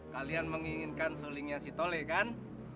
kalian menginginkan sulingnya si tole kan